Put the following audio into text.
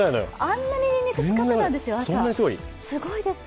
あんなににんにく使っていたんですよ、朝、置き土産が。